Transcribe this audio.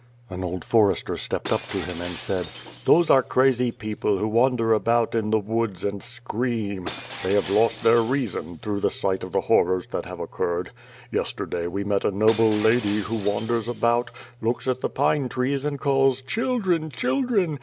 An old forester stepped up to him and said: "Those are crazy people, who wander about in the woods, WITH FIRE AND SWOBD. 355 and scream. They have lost their reason, through the sight of the horrors that have occurred. Yesterday, we met a noble lady, who wanders about, looks at the pine trees and calls "Children, children!"